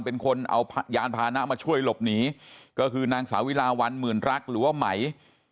เป็นคนเอายานพานะมาช่วยหลบหนีก็คือนางสาวิลาวันหมื่นรักหรือว่าไหม